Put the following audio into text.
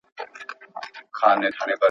د ښځي په ژوند کي شکر د هغې وقار دی.